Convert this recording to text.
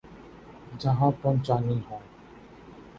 جہاں پہنچانی ہوں۔